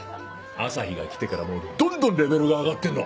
朝陽が来てからもうどんどんレベルが上がってんの。